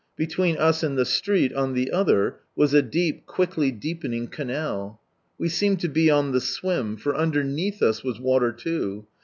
Between us and the street, on the other, was a deep, quicklj deepening canal. We seemed to be on the swim, for underneath us was water loo.